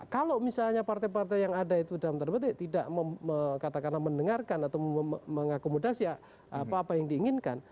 kalau misalnya partai partai yang ada itu dalam tanda petik tidak katakanlah mendengarkan atau mengakomodasi apa apa yang diinginkan